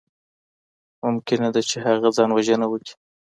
ممکنه ده چي هغه ځان وژنه وکړي.